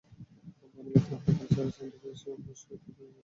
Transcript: প্রমিলা ক্রাপ্টা কালচারাল সেন্টারে এসে বসে থাকেন অনুষ্ঠান শুরুর তিন ঘণ্টা আগে।